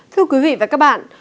thưa quý vị và các bạn